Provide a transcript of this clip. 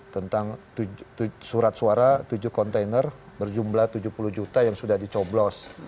tentang surat suara tujuh kontainer berjumlah tujuh puluh juta yang sudah dicoblos